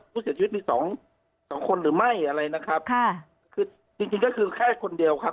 ผู้เสียชีวิตมีสองสองคนหรือไม่อะไรนะครับค่ะคือจริงจริงก็คือแค่คนเดียวครับ